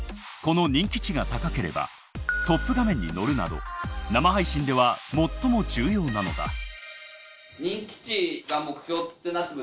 この人気値が高ければトップ画面に載るなど生配信では最も重要なのだ。